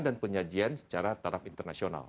penyajian secara taraf internasional